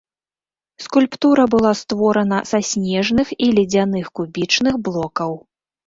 Скульптура была створана са снежных і ледзяных кубічных блокаў.